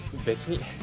別に。